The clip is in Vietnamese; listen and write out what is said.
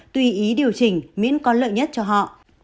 tùy ý điều chỉnh miễn có lợi nhất cho họ